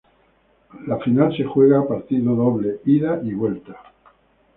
La final se juega a partido doble, ida y vuelta.